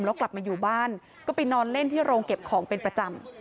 แล้วกลับมาอยู่บ้านก็ไปนอนเล่นที่โรงเก็บของเป็นประจำ